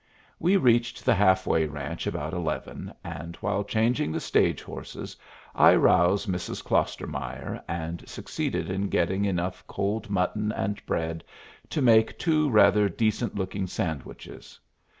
We reached the half way ranch about eleven, and while changing the stage horses I roused Mrs. Klostermeyer, and succeeded in getting enough cold mutton and bread to make two rather decent looking sandwiches.